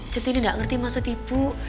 centini gak ngerti maksud ibu